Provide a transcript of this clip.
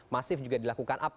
masif juga dilakukan